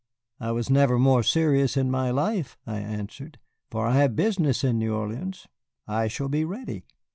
"I was never more serious in my life," I answered, "for I have business in New Orleans. I shall be ready."